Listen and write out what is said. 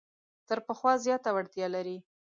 تر پخوا زیاته وړتیا لري.